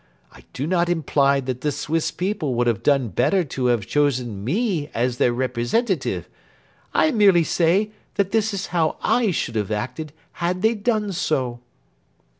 I do not imply that the Swiss people would have done better to have chosen me as their representative. I merely say that that is how I should have acted had they done so."